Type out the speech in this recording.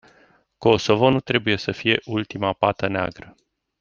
Kosovo nu trebuie să fie ultima pată neagră.